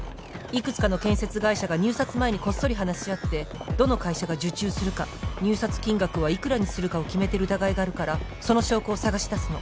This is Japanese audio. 幾つかの建設会社が入札前にこっそり話し合ってどの会社が受注するか入札金額は幾らにするかを決めてる疑いがあるからその証拠を捜し出すの。